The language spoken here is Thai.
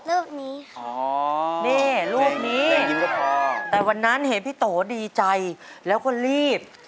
รูปนี้ค่ะอ๋อนี่รูปนี้แต่วันนั้นเห็นพี่โตดีใจแล้วก็รีบ